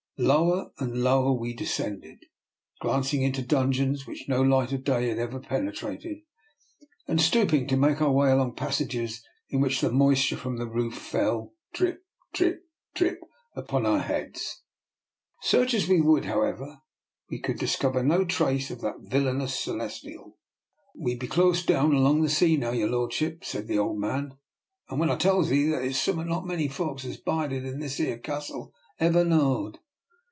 Lower and lower we descended, glancing into dun geons into which no light of day had ever penetrated, and stooping to make our way along passages in which the moisture from the roof fell drip, drip, drip, upon our heads. Search as we would, however, we could dis cover no trace of that villainous Celestial. " We be close down alongside the sea now, your lordship," said the old man, " and when I tells 'ee that, I tells 'ee summat as not many folks as has bided in this 'ere Castle ever knowed."